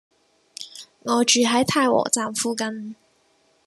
我住喺太和站附近